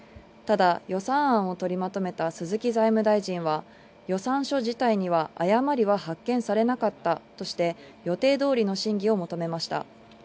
ただ予算案を取りまとめた鈴木総務大臣は誤りは発見されなかったとして、予定通りの審議を求めました。